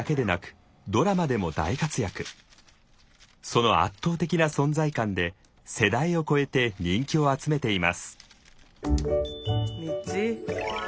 その圧倒的な存在感で世代を超えて人気を集めています。